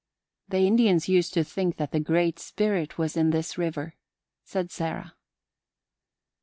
"The Indians used to think that the Great Spirit was in this river," said Sarah.